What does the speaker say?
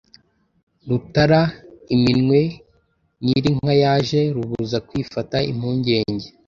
Rutara iminwe nyir' inka yaje, Rubuza kwifata impungenge